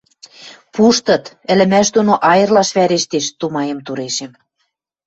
«Пуштыт, ӹлӹмӓш доно айырлаш вӓрештеш», — тумаем турешем